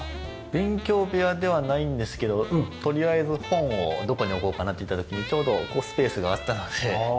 勉強部屋ではないんですけどとりあえず本をどこに置こうかなっていった時にちょうどここスペースがあったので。